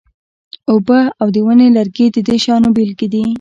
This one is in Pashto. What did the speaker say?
اوبه او د ونې لرګي د دې شیانو بیلګې دي.